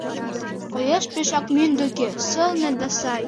Коеш пешак мӱндыркӧ — сылне да сай.